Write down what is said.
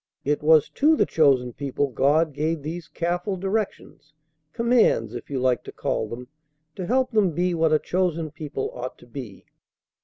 It was to the chosen people God gave these careful directions commands, if you like to call them to help them be what a chosen people ought to be.